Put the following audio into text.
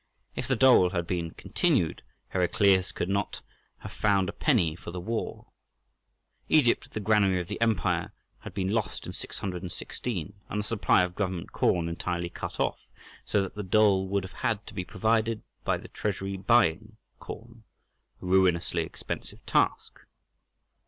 If the dole had been continued Heraclius could not have found a penny for the war. Egypt, the granary of the empire, had been lost in 616, and the supply of government corn entirely cut off, so that the dole would have had to be provided by the treasury buying corn, a ruinously expensive task.